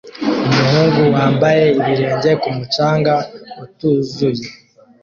Umuhungu wambaye ibirenge ku mucanga utuzuye